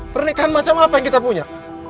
pernikahan macam apa yang kita punya